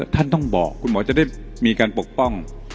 ท่านต้องบอกคุณหมอจะได้มีการปกป้อง